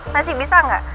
masih bisa gak